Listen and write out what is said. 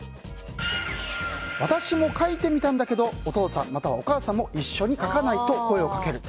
私も書いてみたんだけどお父さん、またはお母さんも一緒に書かない？と声をかける。